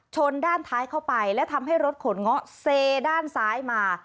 ชนด้านท้ายเข้าไปและทำให้รถขนเงาะเซด้านซ้ายมา